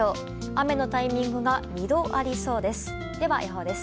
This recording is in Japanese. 雨のタイミングが２度ありそうです。